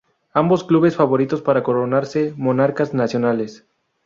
Ambos clubes favoritos para coronarse monarcas nacionales.